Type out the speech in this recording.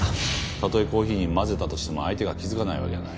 たとえコーヒーに混ぜたとしても相手が気付かないわけない。